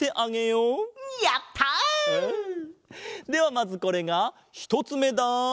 まずこれがひとつめだ。